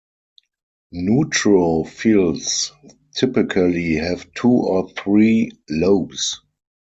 Neutrophils typically have two or three lobes.